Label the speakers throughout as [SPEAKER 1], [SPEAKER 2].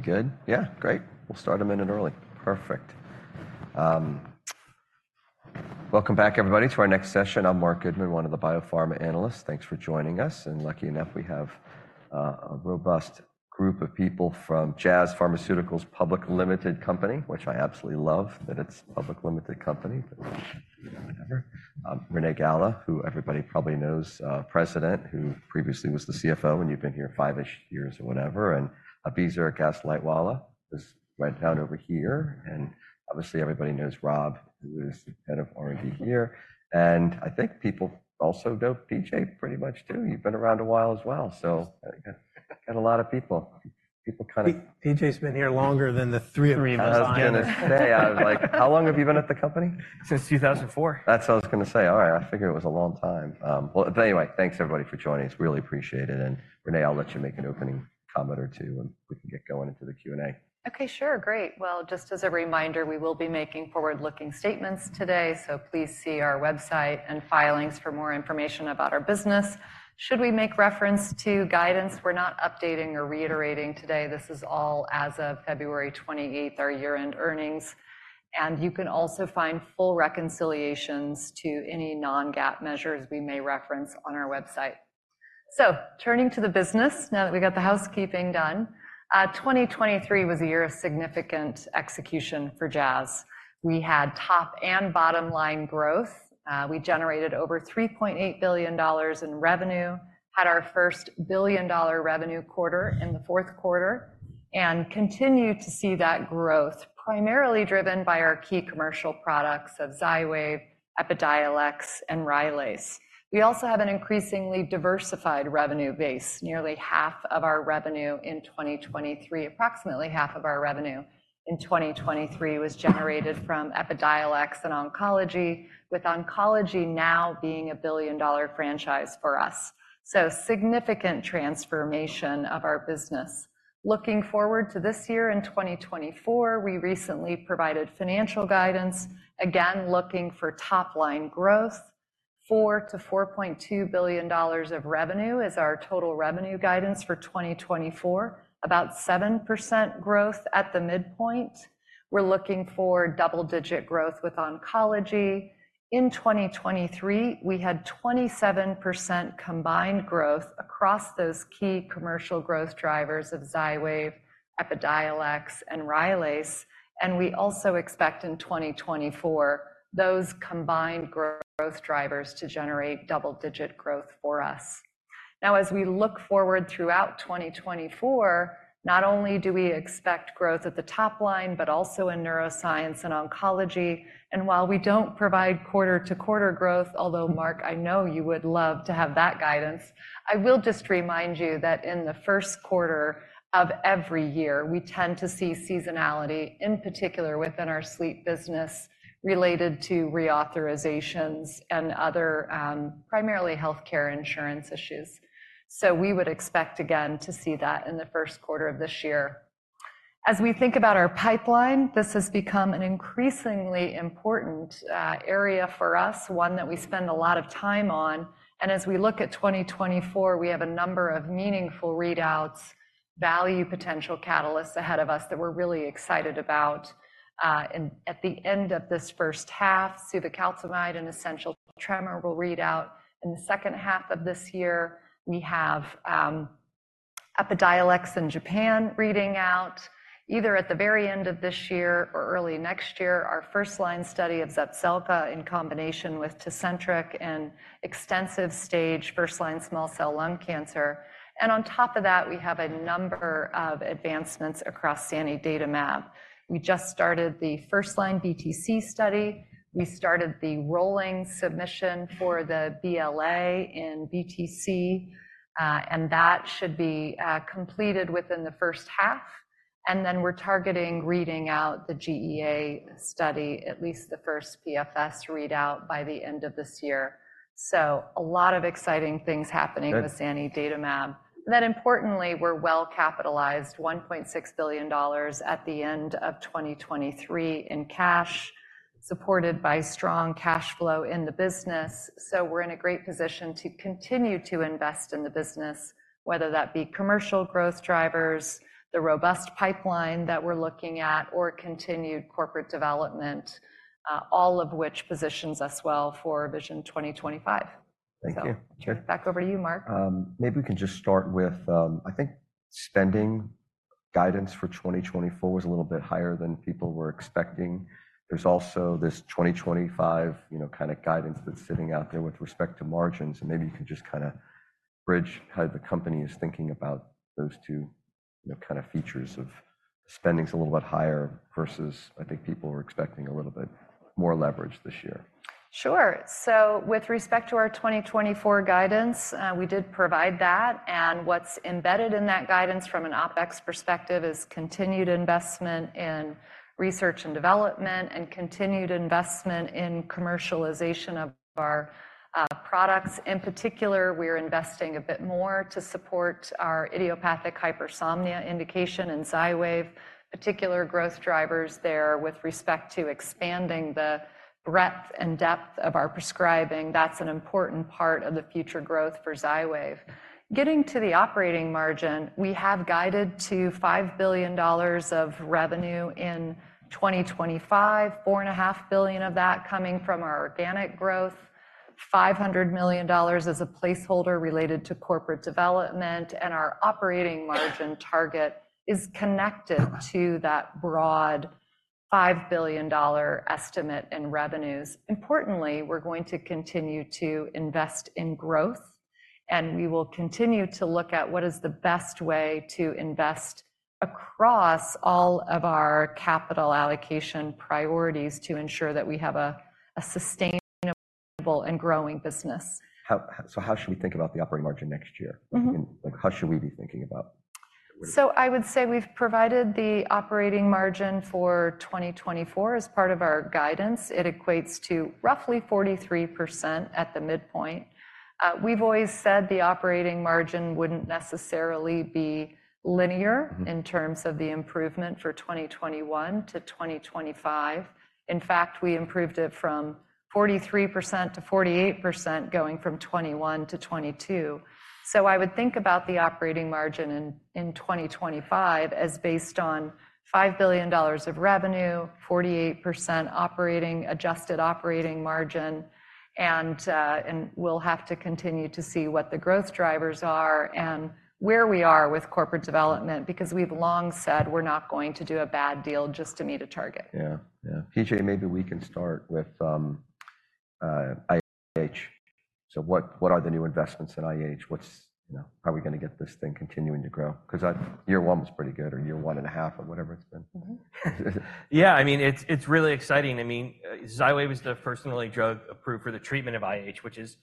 [SPEAKER 1] Are we good? Yeah, great. We'll start a minute early. Perfect. Welcome back, everybody, to our next session. I'm Marc Goodman, one of the biopharma analysts. Thanks for joining us. And lucky enough, we have a robust group of people from Jazz Pharmaceuticals Public Limited Company, which I absolutely love that it's a public limited company, but, you know, whatever. Renee Gala, who everybody probably knows, President, who previously was the CFO, and you've been here five-ish years or whatever. And PJ Honerkamp is right down over here. And obviously, everybody knows Rob, who is head of R&D here. And I think people also know PJ pretty much too. You've been around a while as well, so got a lot of people. People kind of.
[SPEAKER 2] PJ's been here longer than the three of us, I know.
[SPEAKER 1] I was going to say, I was like, "How long have you been at the company?
[SPEAKER 3] Since 2004.
[SPEAKER 1] That's what I was going to say. All right. I figured it was a long time. Well, but anyway, thanks, everybody, for joining. We really appreciate it. And Renee, I'll let you make an opening comment or two, and we can get going into the Q and A.
[SPEAKER 4] Okay, sure. Great. Well, just as a reminder, we will be making forward-looking statements today, so please see our website and filings for more information about our business. Should we make reference to guidance, we're not updating or reiterating today. This is all as of February 28th, our year-end earnings. And you can also find full reconciliations to any non-GAAP measures we may reference on our website. So turning to the business, now that we got the housekeeping done, 2023 was a year of significant execution for Jazz. We had top and bottom line growth. We generated over $3.8 billion in revenue, had our first billion-dollar revenue quarter in the fourth quarter, and continue to see that growth, primarily driven by our key commercial products of Xywav, Epidiolex, and Rylaze. We also have an increasingly diversified revenue base. Nearly half of our revenue in 2023, approximately half of our revenue in 2023, was generated from Epidiolex and oncology, with oncology now being a billion-dollar franchise for us. So significant transformation of our business. Looking forward to this year in 2024, we recently provided financial guidance, again looking for top-line growth. $4-$4.2 billion of revenue is our total revenue guidance for 2024, about 7% growth at the midpoint. We're looking for double-digit growth with oncology. In 2023, we had 27% combined growth across those key commercial growth drivers of Xywav, Epidiolex, and Rylaze. And we also expect in 2024 those combined growth drivers to generate double-digit growth for us. Now, as we look forward throughout 2024, not only do we expect growth at the top line, but also in neuroscience and oncology. While we don't provide quarter-to-quarter growth, although, Marc, I know you would love to have that guidance, I will just remind you that in the first quarter of every year, we tend to see seasonality, in particular within our sleep business, related to reauthorizations and other, primarily healthcare insurance issues. So we would expect, again, to see that in the first quarter of this year. As we think about our pipeline, this has become an increasingly important, area for us, one that we spend a lot of time on. And as we look at 2024, we have a number of meaningful readouts, value potential catalysts ahead of us that we're really excited about. And at the end of this first half, Suvecaltamide and essential tremor will read out. In the second half of this year, we have, Epidiolex in Japan reading out. Either at the very end of this year or early next year, our first-line study of Zepzelca in combination with Tecentriq in extensive-stage first-line small cell lung cancer. On top of that, we have a number of advancements across zanidatamab. We just started the first-line BTC study. We started the rolling submission for the BLA in BTC, and that should be completed within the first half. Then we're targeting reading out the GEA study, at least the first PFS readout, by the end of this year. So a lot of exciting things happening with zanidatamab. Importantly, we're well-capitalized, $1.6 billion at the end of 2023 in cash, supported by strong cash flow in the business. So we're in a great position to continue to invest in the business, whether that be commercial growth drivers, the robust pipeline that we're looking at, or continued corporate development, all of which positions us well for Vision 2025.
[SPEAKER 1] Thank you.
[SPEAKER 3] Sure.
[SPEAKER 4] Back over to you, Marc.
[SPEAKER 1] Maybe we can just start with, I think spending guidance for 2024 was a little bit higher than people were expecting. There's also this 2025, you know, kind of guidance that's sitting out there with respect to margins. And maybe you can just kind of bridge how the company is thinking about those two, you know, kind of features of spending's a little bit higher versus, I think, people were expecting a little bit more leverage this year.
[SPEAKER 4] Sure. So with respect to our 2024 guidance, we did provide that. And what's embedded in that guidance from an OpEx perspective is continued investment in research and development and continued investment in commercialization of our products. In particular, we're investing a bit more to support our idiopathic hypersomnia indication in Xywav, particular growth drivers there with respect to expanding the breadth and depth of our prescribing. That's an important part of the future growth for Xywav. Getting to the operating margin, we have guided to $5 billion of revenue in 2025, $4.5 billion of that coming from our organic growth, $500 million as a placeholder related to corporate development. And our operating margin target is connected to that broad $5 billion estimate in revenues. Importantly, we're going to continue to invest in growth. We will continue to look at what is the best way to invest across all of our capital allocation priorities to ensure that we have a sustainable and growing business.
[SPEAKER 1] How so? How should we think about the operating margin next year? I mean, like, how should we be thinking about?
[SPEAKER 4] So I would say we've provided the operating margin for 2024 as part of our guidance. It equates to roughly 43% at the midpoint. We've always said the operating margin wouldn't necessarily be linear in terms of the improvement for 2021 to 2025. In fact, we improved it from 43% to 48% going from 2021 to 2022. So I would think about the operating margin in 2025 as based on $5 billion of revenue, 48% operating adjusted operating margin. And, and we'll have to continue to see what the growth drivers are and where we are with corporate development because we've long said we're not going to do a bad deal just to meet a target.
[SPEAKER 1] Yeah, yeah. PJ, maybe we can start with IH. So what are the new investments in IH? What's, you know, how are we going to get this thing continuing to grow? Because in year one was pretty good or year one and a half or whatever it's been.
[SPEAKER 3] Yeah, I mean, it's it's really exciting. I mean, Xywav is the first NLA drug approved for the treatment of IH, which is,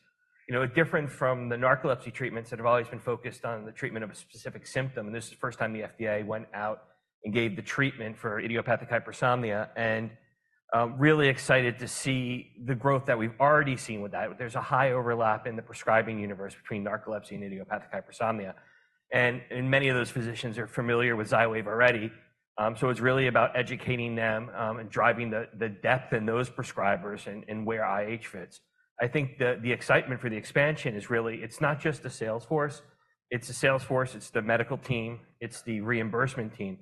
[SPEAKER 3] you know, different from the narcolepsy treatments that have always been focused on the treatment of a specific symptom. And this is the first time the FDA went out and gave the treatment for idiopathic hypersomnia. And, really excited to see the growth that we've already seen with that. There's a high overlap in the prescribing universe between narcolepsy and idiopathic hypersomnia. And many of those physicians are familiar with Xywav already. So it's really about educating them, and driving the the depth in those prescribers and and where IH fits. I think the the excitement for the expansion is really it's not just a sales force. It's a sales force. It's the medical team. It's the reimbursement team.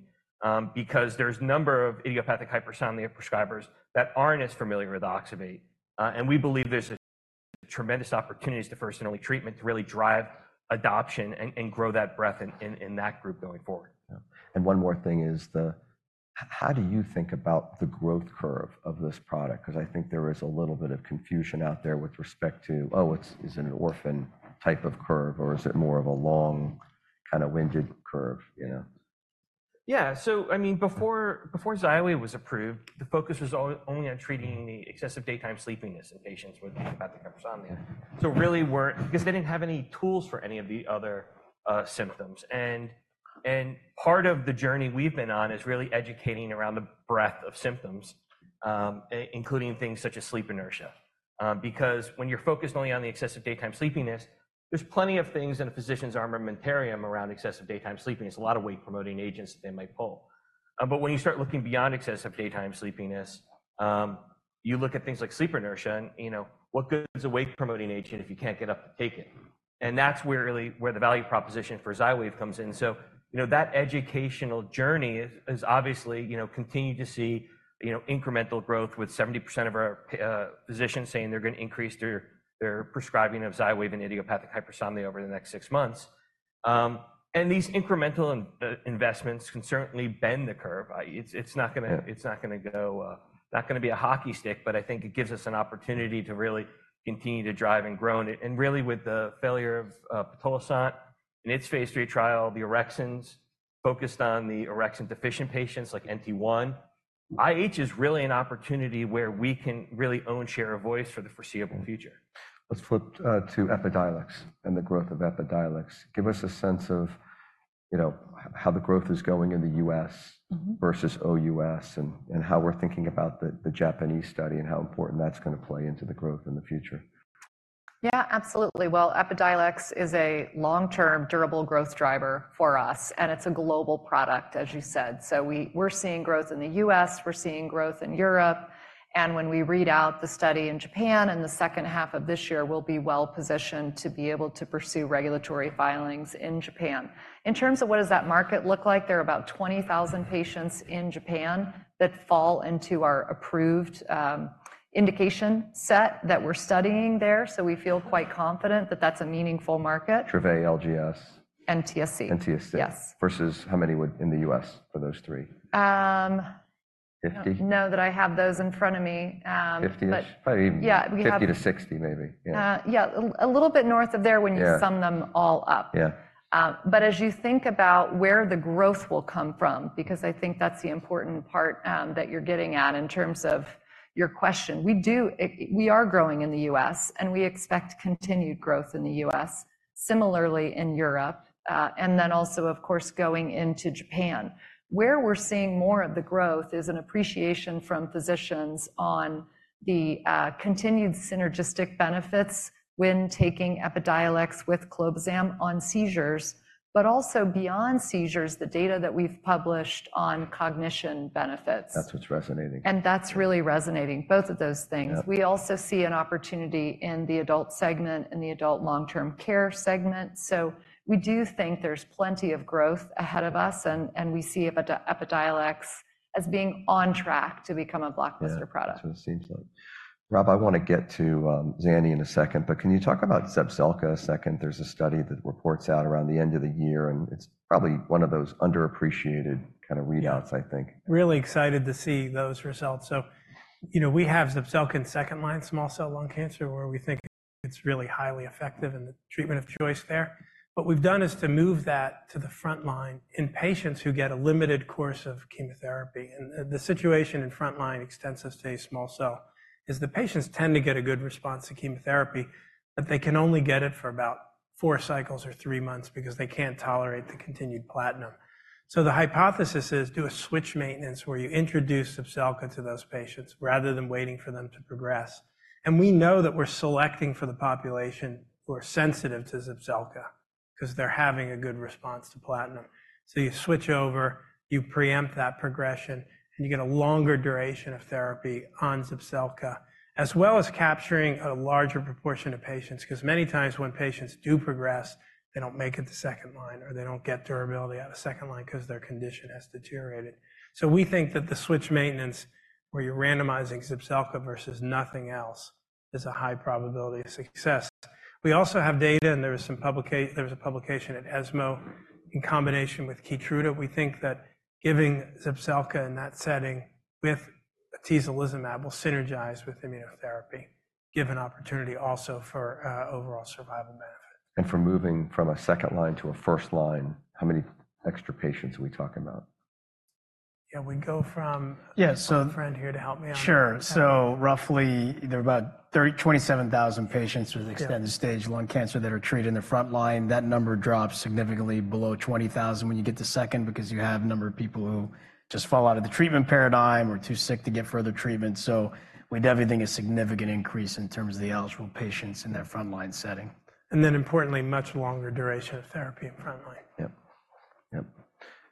[SPEAKER 3] because there's a number of idiopathic hypersomnia prescribers that aren't as familiar with Xywav. And we believe there's tremendous opportunities to first and only treatment to really drive adoption and grow that breadth in that group going forward.
[SPEAKER 1] Yeah. And one more thing is the how do you think about the growth curve of this product? Because I think there is a little bit of confusion out there with respect to, oh, is it an orphan type of curve, or is it more of a long kind of winded curve, you know?
[SPEAKER 3] Yeah. So, I mean, before Xywav was approved, the focus was only on treating the excessive daytime sleepiness in patients with idiopathic hypersomnia. So really weren't because they didn't have any tools for any of the other symptoms. And part of the journey we've been on is really educating around the breadth of symptoms, including things such as sleep inertia. Because when you're focused only on the excessive daytime sleepiness, there's plenty of things in a physician's armamentarium around excessive daytime sleepiness, a lot of wake-promoting agents that they might pull. But when you start looking beyond excessive daytime sleepiness, you look at things like sleep inertia and, you know, what good's a wake-promoting agent if you can't get up to take it? And that's where the value proposition for Xywav comes in. So, you know, that educational journey is obviously, you know, continue to see, you know, incremental growth with 70% of our physicians saying they're going to increase their prescribing of Xywav and idiopathic hypersomnia over the next six months. These incremental investments can certainly bend the curve. It's not going to go, not going to be a hockey stick, but I think it gives us an opportunity to really continue to drive and grow it. And really, with the failure of pitolisant in its phase III trial, the orexins focused on the orexin-deficient patients like NT1, IH is really an opportunity where we can really own share of voice for the foreseeable future.
[SPEAKER 1] Let's flip to Epidiolex and the growth of Epidiolex. Give us a sense of, you know, how the growth is going in the U.S. versus OUS and how we're thinking about the Japanese study and how important that's going to play into the growth in the future.
[SPEAKER 4] Yeah, absolutely. Well, Epidiolex is a long-term, durable growth driver for us. And it's a global product, as you said. So we're seeing growth in the U.S.. We're seeing growth in Europe. And when we read out the study in Japan in the second half of this year, we'll be well-positioned to be able to pursue regulatory filings in Japan. In terms of what does that market look like? There are about 20,000 patients in Japan that fall into our approved indication set that we're studying there. So we feel quite confident that that's a meaningful market.
[SPEAKER 1] Dravet, LGS.
[SPEAKER 4] NTSC.
[SPEAKER 1] NTSC.
[SPEAKER 4] Yes.
[SPEAKER 1] Versus how many would in the U.S. for those three? 50?
[SPEAKER 4] No, that I have those in front of me.
[SPEAKER 1] 50-ish?
[SPEAKER 4] Probably even.
[SPEAKER 1] Yeah.
[SPEAKER 4] 50 to 60, maybe. Yeah.
[SPEAKER 1] Yeah. A little bit north of there, when you sum them all up. Yeah.
[SPEAKER 4] but as you think about where the growth will come from, because I think that's the important part, that you're getting at in terms of your question, we are growing in the U.S., and we expect continued growth in the U.S., similarly in Europe, and then also, of course, going into Japan. Where we're seeing more of the growth is an appreciation from physicians on the continued synergistic benefits when taking Epidiolex with Clobazam on seizures, but also beyond seizures, the data that we've published on cognition benefits.
[SPEAKER 1] That's what's resonating.
[SPEAKER 4] And that's really resonating, both of those things. We also see an opportunity in the adult segment and the adult long-term care segment. So we do think there's plenty of growth ahead of us. And we see Epidiolex as being on track to become a blockbuster product.
[SPEAKER 1] Yeah, that's what it seems like. Rob, I want to get to zanidatamab in a second, but can you talk about Zepzelca a second? There's a study that reports out around the end of the year, and it's probably one of those underappreciated kind of readouts, I think.
[SPEAKER 2] Really excited to see those results. So, you know, we haveZepzelca in second-line small cell lung cancer, where we think it's really highly effective in the treatment of choice there. What we've done is to move that to the front line in patients who get a limited course of chemotherapy. And the situation in front line, extensive stage small cell, is the patients tend to get a good response to chemotherapy, but they can only get it for about four cycles o rthree months because they can't tolerate the continued platinum. So the hypothesis is do a switch maintenance where you introduce Zepzelca to those patients rather than waiting for them to progress. And we know that we're selecting for the population who are sensitive to Zepzelca because they're having a good response to platinum. So you switch over, you preempt that progression, and you get a longer duration of therapy on ZEPZELCA, as well as capturing a larger proportion of patients. Because many times when patients do progress, they don't make it to second line, or they don't get durability out of second line because their condition has deteriorated. So we think that the switch maintenance, where you're randomizing Zepzelca versus nothing else, is a high probability of success. We also have data, and there was a publication at ESMO in combination with Keytruda. We think that giving Zepzelca in that setting with atezolizumab will synergize with immunotherapy, give an opportunity also for overall survival benefit.
[SPEAKER 1] For moving from a second line to a first line, how many extra patients are we talking about?
[SPEAKER 2] Yeah, we go from.
[SPEAKER 1] Yeah, so.
[SPEAKER 2] A friend here to help me on that.
[SPEAKER 5] Sure. So roughly, there are about 27,000 patients with extended stage lung cancer that are treated in the front line. That number drops significantly below 20,000 when you get to second because you have a number of people who just fall out of the treatment paradigm or are too sick to get further treatment. So we doubt everything is a significant increase in terms of the eligible patients in that front line setting.
[SPEAKER 2] And then, importantly, much longer duration of therapy in front line.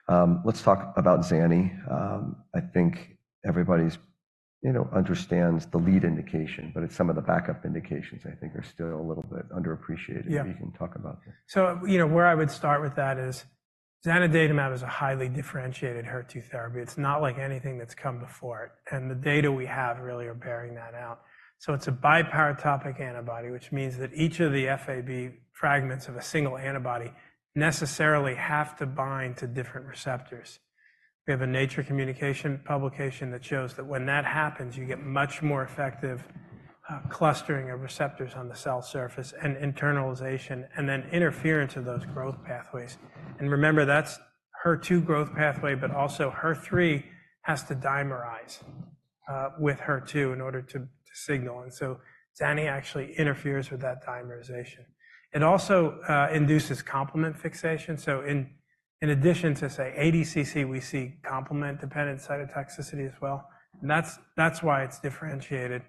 [SPEAKER 1] Yep. Yep. Let's talk about zanidatamab. I think everybody's, you know, understands the lead indication, but it's some of the backup indications, I think, are still a little bit underappreciated.
[SPEAKER 2] Yeah.
[SPEAKER 1] If you can talk about that.
[SPEAKER 2] So, you know, where I would start with that is zanidatamab is a highly differentiated HER2 therapy. It's not like anything that's come before it. And the data we have really are bearing that out. So it's a biparatopic antibody, which means that each of the Fab fragments of a single antibody necessarily have to bind to different receptors. We have a Nature Communications publication that shows that when that happens, you get much more effective clustering of receptors on the cell surface and internalization and then interference of those growth pathways. And remember, that's HER2 growth pathway, but also HER3 has to dimerize with HER2 in order to signal. And so zanidatamab actually interferes with that dimerization. It also induces complement fixation. So in addition to ADCC, we see complement-dependent cytotoxicity as well. And that's why it's differentiated.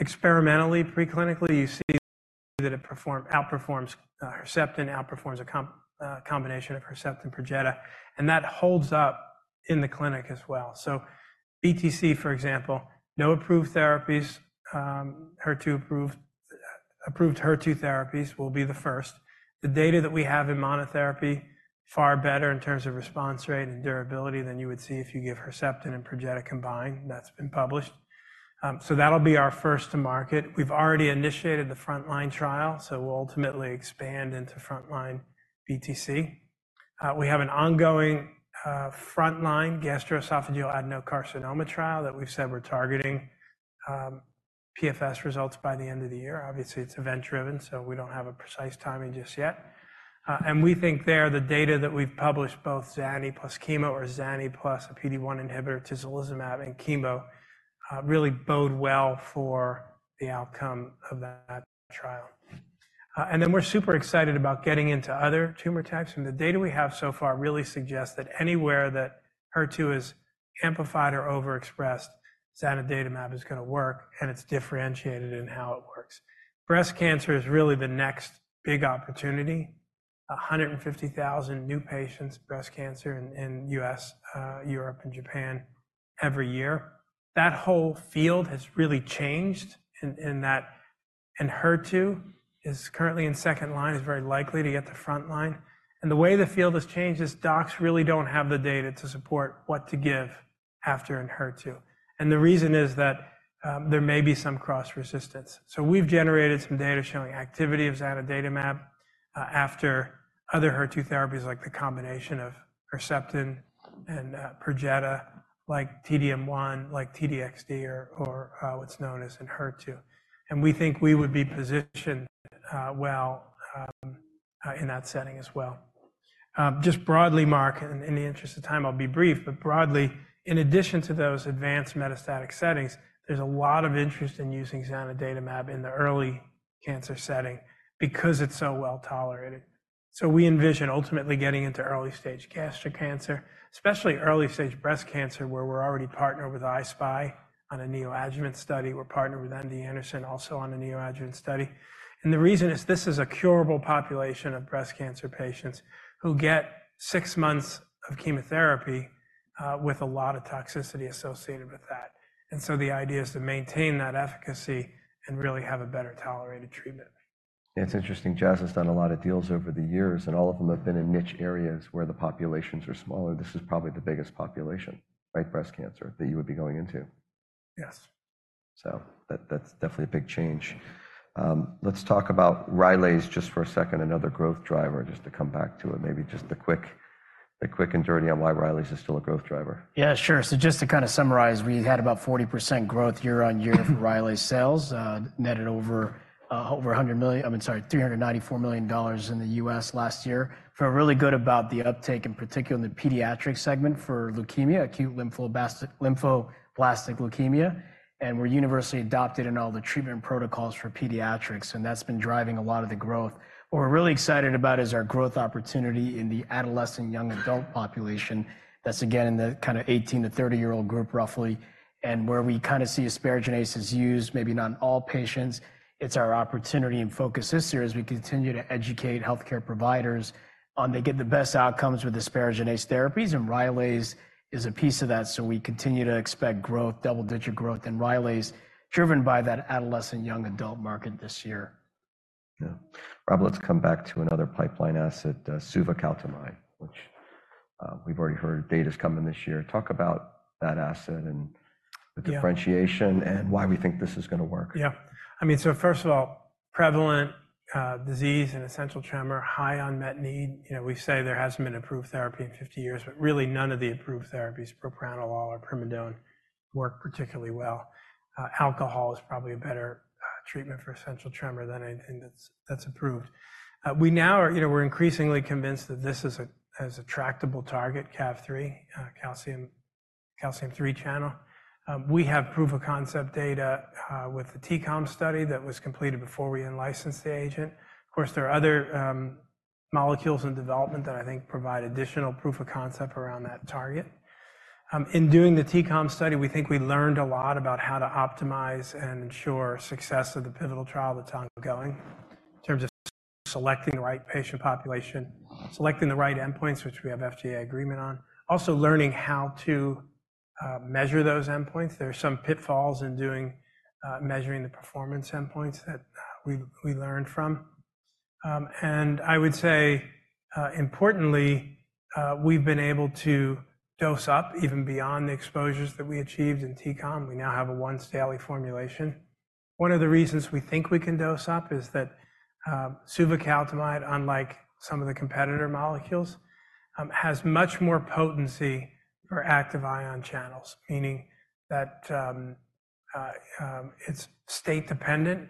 [SPEAKER 2] Experimentally, preclinically, you see that it outperforms Herceptin, outperforms a combination of Herceptin and PERJETA. That holds up in the clinic as well. So, BTC, for example, no approved therapies. HER2-approved therapies will be the first. The data that we have in monotherapy far better in terms of response rate and durability than you would see if you give Herceptin and Perjeta combined. That's been published. So, that'll be our first to market. We've already initiated the front-line trial, so we'll ultimately expand into front-line BTC. We have an ongoing front-line gastroesophageal adenocarcinoma trial that we've said we're targeting PFS results by the end of the year. Obviously, it's event-driven, so we don't have a precise timing just yet. And we think that the data that we've published, both zanidatamab plus chemo or zanidatamab plus a PD-1 inhibitor, atezolizumab, and chemo, really bode well for the outcome of that trial. Then we're super excited about getting into other tumor types. And the data we have so far really suggests that anywhere that HER2 is amplified or overexpressed, zanidatamab is going to work, and it's differentiated in how it works. Breast cancer is really the next big opportunity, 150,000 new breast cancer patients in the U.S., Europe, and Japan every year. That whole field has really changed in that, and HER2 is currently in second line, is very likely to get to front line. And the way the field has changed is docs really don't have the data to support what to give after in HER2. And the reason is that there may be some cross-resistance. So we've generated some data showing activity of zanidatamab after other HER2 therapies like the combination of Herceptin and Perjeta, like TDM1, like TDXD, or what's known as in HER2. And we think we would be positioned well, in that setting as well. Just broadly, Mark, and in the interest of time, I'll be brief, but broadly, in addition to those advanced metastatic settings, there's a lot of interest in using zanidatamab in the early cancer setting because it's so well tolerated. So we envision ultimately getting into early stage gastric cancer, especially early stage breast cancer where we're already partnered with I-SPY on a neoadjuvant study. We're partnered with MD Anderson also on a neoadjuvant study. And the reason is this is a curable population of breast cancer patients who get six months of chemotherapy, with a lot of toxicity associated with that. The idea is to maintain that efficacy and really have a better tolerated treatment.
[SPEAKER 1] Yeah, it's interesting. Jazz has done a lot of deals over the years, and all of them have been in niche areas where the populations are smaller. This is probably the biggest population, right, breast cancer, that you would be going into?
[SPEAKER 2] Yes.
[SPEAKER 1] So that's definitely a big change. Let's talk about Rylaze. just for a second, another growth driver, just to come back to it, maybe just the quick and dirty on why Rylaze is still a growth driver.
[SPEAKER 2] Yeah, sure. So just to kind of summarize, we had about 40% growth year-over-year for Rylaze sales, netted over $100 million—I mean, sorry, $394 million—in the U.S. last year. Feel really good about the uptake, in particular in the pediatric segment for leukemia, acute lymphoblastic leukemia. And we're universally adopted in all the treatment protocols for pediatrics, and that's been driving a lot of the growth. What we're really excited about is our growth opportunity in the adolescent young adult population. That's, again, in the kind of 18 year to 30 year old group roughly, and where we kind of see asparaginase is used, maybe not in all patients. It's our opportunity and focus this year as we continue to educate healthcare providers on they get the best outcomes with asparaginase therapies, and Rylaze is a piece of that. We continue to expect growth, double-digit growth in Rylaze, driven by that adolescent young adult market this year.
[SPEAKER 1] Yeah. Rob, let's come back to another pipeline asset, suvecaltamide, which, we've already heard data's coming this year. Talk about that asset and the differentiation and why we think this is going to work.
[SPEAKER 2] Yeah. I mean, so first of all, prevalent disease and essential tremor, high unmet need. You know, we say there hasn't been approved therapy in 50 years, but really none of the approved therapies, propranolol or primidone, work particularly well. Alcohol is probably a better treatment for essential tremor than anything that's approved. We now are, you know, we're increasingly convinced that this is a tractable target, CAV3, calcium 3 channel. We have proof of concept data with the T-CALM study that was completed before we unlicensed the agent. Of course, there are other molecules in development that I think provide additional proof of concept around that target. In doing the T-CALM study, we think we learned a lot about how to optimize and ensure success of the pivotal trial that's ongoing in terms of selecting the right patient population, selecting the right endpoints, which we have FDA agreement on, also learning how to measure those endpoints. There are some pitfalls in doing measuring the performance endpoints that we learned from. And I would say, importantly, we've been able to dose up even beyond the exposures that we achieved in T-CALM. We now have a once-daily formulation. One of the reasons we think we can dose up is that suvecaltamide, unlike some of the competitor molecules, has much more potency for active ion channels, meaning that it's state-dependent.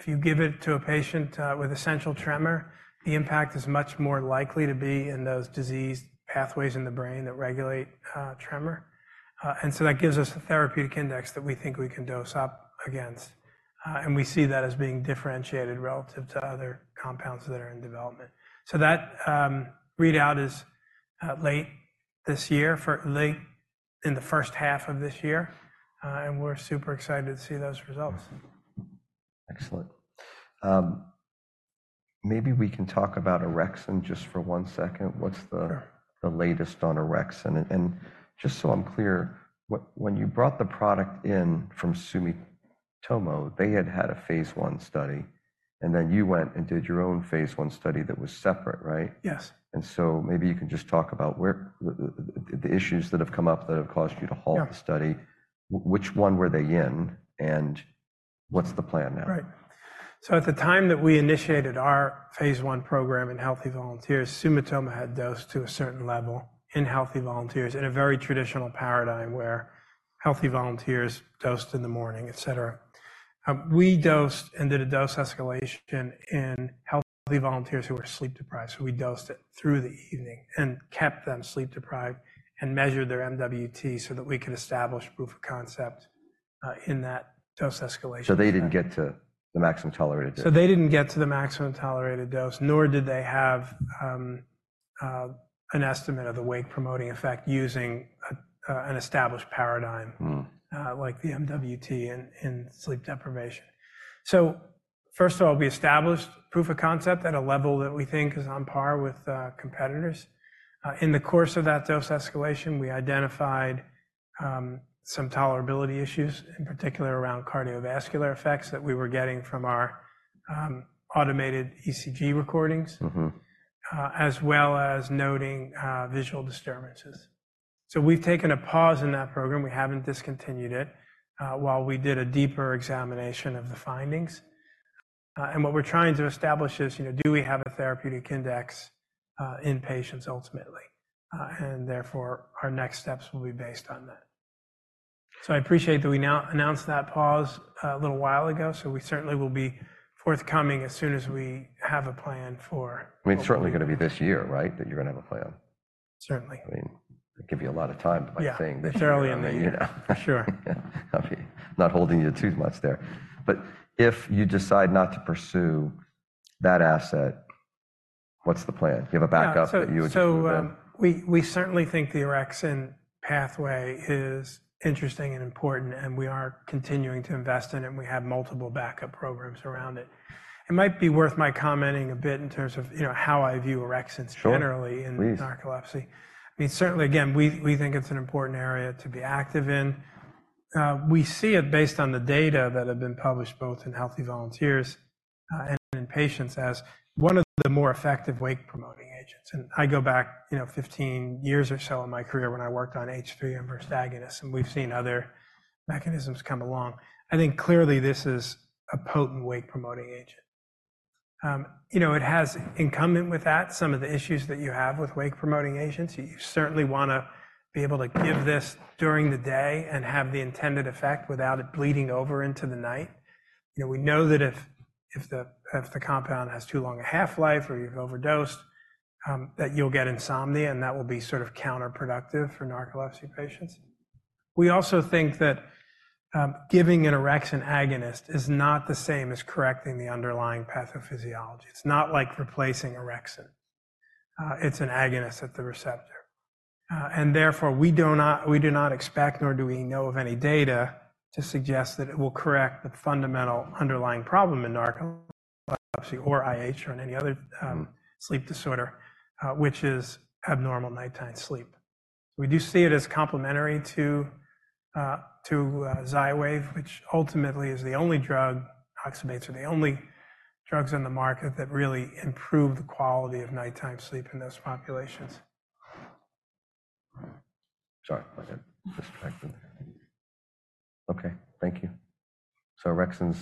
[SPEAKER 2] If you give it to a patient with essential tremor, the impact is much more likely to be in those disease pathways in the brain that regulate tremor. So that gives us a therapeutic index that we think we can dose up against. We see that as being differentiated relative to other compounds that are in development. So that readout is late this year for late in the first half of this year. We're super excited to see those results.
[SPEAKER 1] Excellent. Maybe we can talk about orexin just for one second. What's the latest on orexin? And just so I'm clear, when you brought the product in from Sumitomo, they had had a phase I study, and then you went and did your own phase I study that was separate, right?
[SPEAKER 2] Yes.
[SPEAKER 1] And so maybe you can just talk about where the issues that have come up that have caused you to halt the study, which one were they in, and what's the plan now?
[SPEAKER 2] Right. So at the time that we initiated our phase I program in healthy volunteers, Sumitomo had dosed to a certain level in healthy volunteers in a very traditional paradigm where healthy volunteers dosed in the morning, et cetera. We dosed and did a dose escalation in healthy volunteers who were sleep deprived. So we dosed it through the evening and kept them sleep deprived and measured their MWT so that we could establish proof of concept, in that dose escalation.
[SPEAKER 1] So they didn't get to the maximum tolerated dose?
[SPEAKER 2] So they didn't get to the maximum tolerated dose, nor did they have an estimate of the wake-promoting effect using an established paradigm, like the MWT in sleep deprivation. So first of all, we established proof of concept at a level that we think is on par with competitors. In the course of that dose escalation, we identified some tolerability issues, in particular around cardiovascular effects that we were getting from our automated ECG recordings, as well as noting visual disturbances. So we've taken a pause in that program. We haven't discontinued it, while we did a deeper examination of the findings. What we're trying to establish is, you know, do we have a therapeutic index in patients ultimately? Therefore, our next steps will be based on that. So I appreciate that we now announced that pause a little while ago. We certainly will be forthcoming as soon as we have a plan for.
[SPEAKER 1] I mean, it's certainly going to be this year, right, that you're going to have a plan?
[SPEAKER 2] Certainly.
[SPEAKER 1] I mean, I give you a lot of time by saying this year.
[SPEAKER 2] Yeah, it's early in the year. Sure.
[SPEAKER 1] I'll not be holding you too much there. But if you decide not to pursue that asset, what's the plan? Do you have a backup that you would do?
[SPEAKER 2] So, we certainly think the orexin pathway is interesting and important, and we are continuing to invest in it, and we have multiple backup programs around it. It might be worth my commenting a bit in terms of, you know, how I view orexin generally in narcolepsy. I mean, certainly, again, we think it's an important area to be active in. We see it based on the data that have been published both in healthy volunteers, and in patients as one of the more effective wake-promoting agents. And I go back, you know, 15 years or so in my career when I worked on H3 antagonists, and we've seen other mechanisms come along. I think clearly this is a potent wake-promoting agent. You know, it has inherent with that some of the issues that you have with wake-promoting agents. You certainly want to be able to give this during the day and have the intended effect without it bleeding over into the night. You know, we know that if the compound has too long a half-life or you've overdosed, that you'll get insomnia, and that will be sort of counterproductive for narcolepsy patients. We also think that, giving an orexin agonist is not the same as correcting the underlying pathophysiology. It's not like replacing orexin. It's an agonist at the receptor. And therefore, we do not expect, nor do we know of any data to suggest that it will correct the fundamental underlying problem in narcolepsy or IH or in any other sleep disorder, which is abnormal nighttime sleep. We do see it as complementary to Xywav, which ultimately is the only drug oxybates are the only drugs on the market that really improve the quality of nighttime sleep in those populations.
[SPEAKER 1] Sorry, my head just dragged in there. Okay, thank you. So orexin's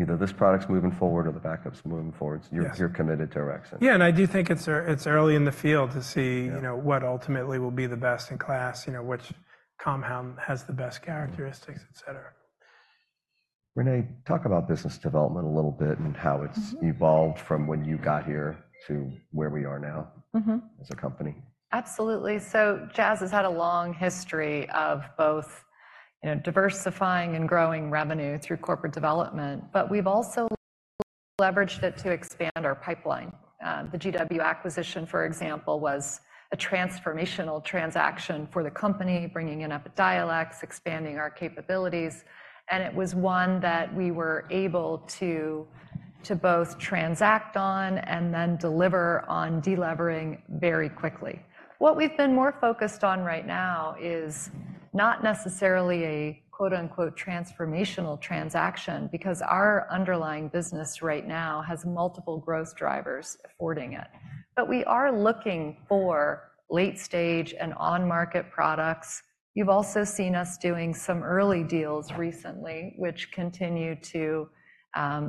[SPEAKER 1] either this product's moving forward or the backup's moving forward. You're committed to orexin.
[SPEAKER 2] Yeah, and I do think it's early in the field to see, you know, what ultimately will be the best in class, you know, which compound has the best characteristics, etc.
[SPEAKER 1] Renee, talk about business development a little bit and how it's evolved from when you got here to where we are now as a company.
[SPEAKER 4] Absolutely. So Jazz has had a long history of both, you know, diversifying and growing revenue through corporate development, but we've also leveraged it to expand our pipeline. The GW acquisition, for example, was a transformational transaction for the company, bringing in Epidiolex, expanding our capabilities. And it was one that we were able to both transact on and then deliver on delevering very quickly. What we've been more focused on right now is not necessarily a quote unquote transformational transaction because our underlying business right now has multiple growth drivers affording it. But we are looking for late stage and on-market products. You've also seen us doing some early deals recently, which continue to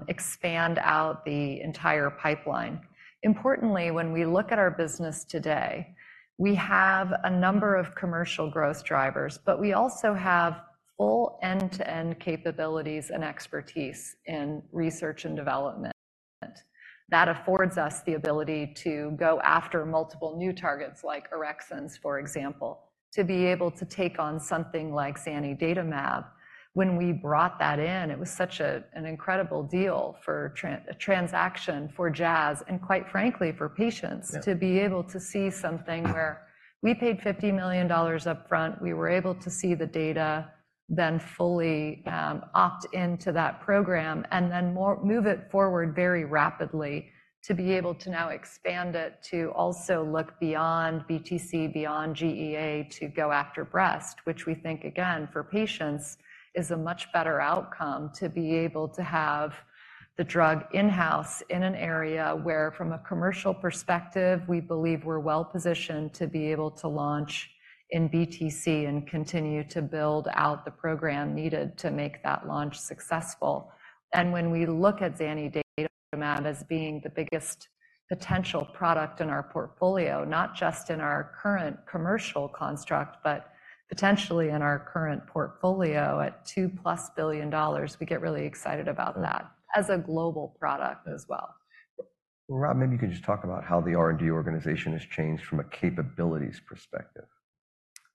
[SPEAKER 4] expand out the entire pipeline. Importantly, when we look at our business today, we have a number of commercial growth drivers, but we also have full end-to-end capabilities and expertise in research and development that affords us the ability to go after multiple new targets like orexins, for example, to be able to take on something like zanidatamab. When we brought that in, it was such an incredible deal for a transaction for Jazz and, quite frankly, for patients to be able to see something where we paid $50 million upfront. We were able to see the data, then fully opt into that program and then more move it forward very rapidly to be able to now expand it to also look beyond BTC, beyond GEA to go after breast, which we think, again, for patients is a much better outcome to be able to have the drug in-house in an area where, from a commercial perspective, we believe we're well positioned to be able to launch in BTC and continue to build out the program needed to make that launch successful. Wheny we look at zanidatamab as being the biggest potential product in our portfolio, not just in our current commercial construct, but potentially in our current portfolio at $2+ billion, we get really excited about that as a global product as well.
[SPEAKER 1] Rob, maybe you could just talk about how the R&D organization has changed from a capabilities perspective.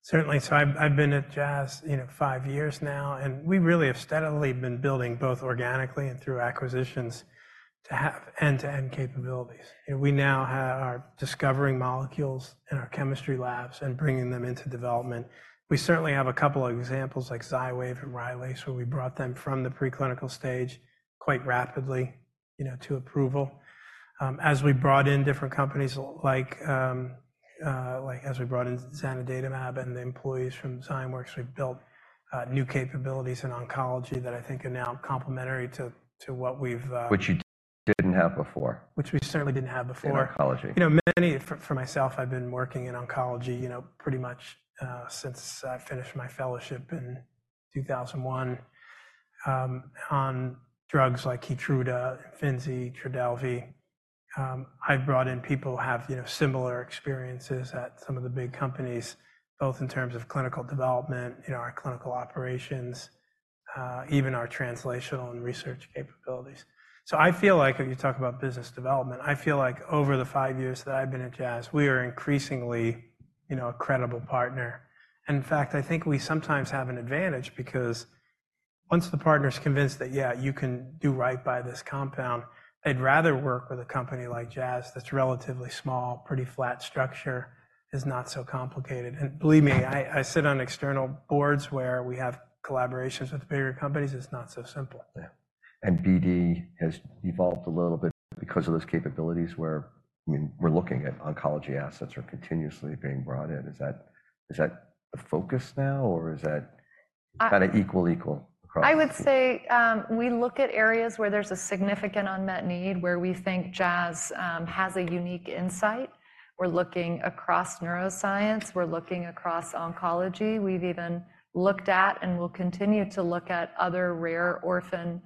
[SPEAKER 2] Certainly. So I've been at Jazz, you know, five years now, and we really have steadily been building both organically and through acquisitions to have end-to-end capabilities. You know, we now have our discovering molecules in our chemistry labs and bringing them into development. We certainly have a couple of examples like Xywav and Rylaze where we brought them from the preclinical stage quite rapidly, you know, to approval. As we brought in different companies like as we brought in zanidatamab and the employees from Zymeworks, we've built new capabilities in oncology that I think are now complementary to what we've.
[SPEAKER 1] Which you didn't have before.
[SPEAKER 2] Which we certainly didn't have before.
[SPEAKER 1] In oncology.
[SPEAKER 2] You know, mainly for myself, I've been working in oncology, you know, pretty much, since I finished my fellowship in 2001, on drugs like Keytruda, Imfinzi, Trodelvy. I've brought in people who have, you know, similar experiences at some of the big companies, both in terms of clinical development, you know, our clinical operations, even our translational and research capabilities. So I feel like if you talk about business development, I feel like over the five years that I've been at Jazz, we are increasingly, you know, a credible partner. And in fact, I think we sometimes have an advantage because once the partner's convinced that, yeah, you can do right by this compound, they'd rather work with a company like Jazz that's relatively small, pretty flat structure, is not so complicated. And believe me, I sit on external boards where we have collaborations with bigger companies. It's not so simple.
[SPEAKER 1] Yeah. BD has evolved a little bit because of those capabilities where, I mean, we're looking at oncology assets are continuously being brought in. Is that the focus now, or is that kind of equal, equal across?
[SPEAKER 4] I would say, we look at areas where there's a significant unmet need, where we think Jazz has a unique insight. We're looking across neuroscience. We're looking across oncology. We've even looked at and will continue to look at other rare orphan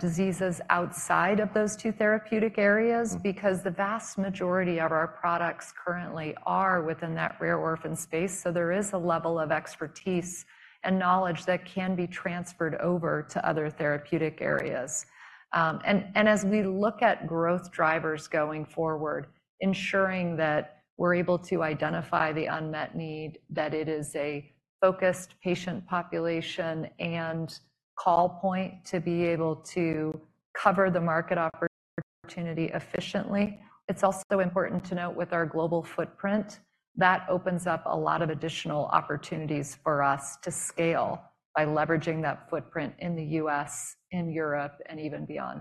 [SPEAKER 4] diseases outside of those two therapeutic areas because the vast majority of our products currently are within that rare orphan space. So there is a level of expertise and knowledge that can be transferred over to other therapeutic areas. As we look at growth drivers going forward, ensuring that we're able to identify the unmet need, that it is a focused patient population and call point to be able to cover the market opportunity efficiently. It's also important to note with our global footprint that opens up a lot of additional opportunities for us to scale by leveraging that footprint in the U.S., in Europe, and even beyond.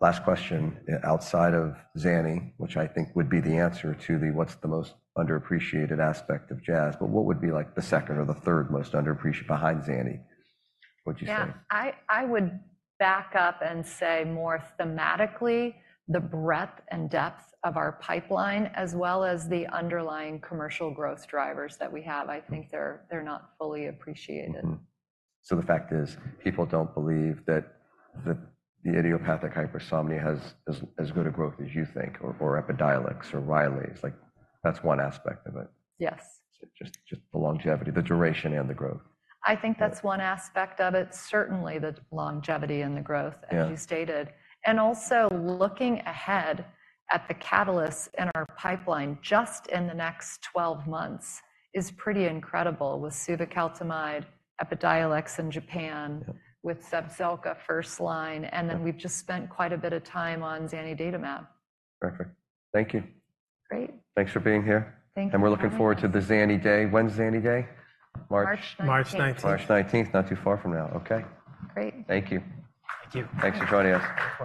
[SPEAKER 1] Last question outside of Zani, which I think would be the answer to the what's the most underappreciated aspect of Jazz, but what would be like the second or the third most underappreciated behind Zani? What would you say?
[SPEAKER 4] Yeah, I would back up and say more thematically the breadth and depth of our pipeline as well as the underlying commercial growth drivers that we have. I think they're not fully appreciated.
[SPEAKER 1] So the fact is people don't believe that the idiopathic hypersomnia has as good a growth as you think or Epidiolex or Rylaze. Like, that's one aspect of it.
[SPEAKER 4] Yes.
[SPEAKER 1] Just the longevity, the duration and the growth.
[SPEAKER 4] I think that's one aspect of it, certainly the longevity and the growth, as you stated. And also looking ahead at the catalysts in our pipeline just in the next 12 months is pretty incredible with suvecaltamide, Epidiolex in Japan, with Zepzelca first line, and then we've just spent quite a bit of time on zanidatamab.
[SPEAKER 1] Perfect. Thank you.
[SPEAKER 4] Great.
[SPEAKER 1] Thanks for being here.
[SPEAKER 4] Thank you.
[SPEAKER 1] We're looking forward to the Zani Day. When's Zani Day? March 19th?
[SPEAKER 2] March 19th.
[SPEAKER 1] March 19th, not too far from now. Okay.
[SPEAKER 4] Great.
[SPEAKER 1] Thank you.
[SPEAKER 5] Thank you.
[SPEAKER 1] Thanks for joining us.